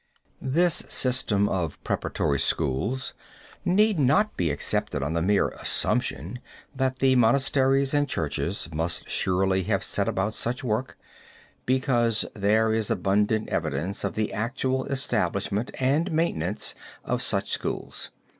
This system of preparatory schools need not be accepted on the mere assumption that the monasteries and churches must surely have set about such work, because there is abundant evidence of the actual establishment and maintenance of such schools.